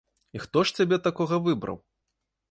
І хто ж цябе такога выбраў?